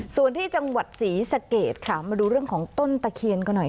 ส่วนที่จังหวัดศรีสะเกดค่ะมาดูเรื่องของต้นตะเคียนกันหน่อย